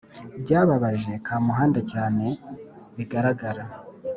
Byababaje Kamuhanda cyane bigaragara